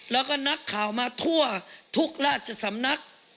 แล้วก็นักข่าวมาทั่วทุกราชสำนัก